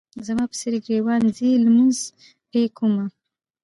زما په څېرې ګریوان ځي لمونځ پې کومه.